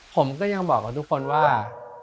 ผมยังบอกบอกทุกคนว่า